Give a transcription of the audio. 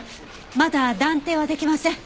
まだ断定はできません。